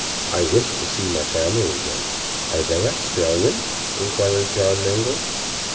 "I wished to see my family again." "Are they Australians?" inquired John Mangles.